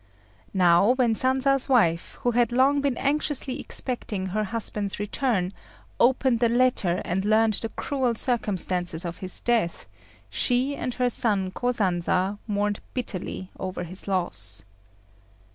Now when Sanza's wife, who had long been anxiously expecting her husband's return, opened the letter and learned the cruel circumstances of his death, she and her son Kosanza mourned bitterly over his loss.